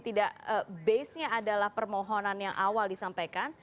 tidak basenya adalah permohonan yang awal disampaikan